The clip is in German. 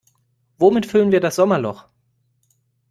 Womit füllen wir das Sommerloch?